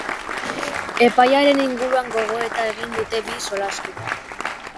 Epaiaren inguruan gogoeta egin dute bi solaskideek.